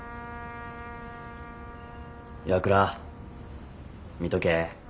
岩倉見とけ。